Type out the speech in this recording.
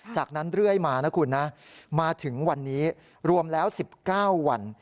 จากนั้นเรื่อยมานะคุณนะมาถึงวันนี้รวมแล้ว๑๙วัน